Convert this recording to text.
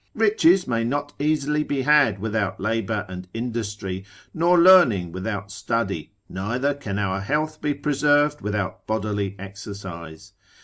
Riches may not easily be had without labour and industry, nor learning without study, neither can our health be preserved without bodily exercise.